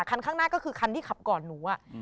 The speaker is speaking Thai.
คันข้างหน้าก็พลิกชั้นที่ขับก่อนอื่น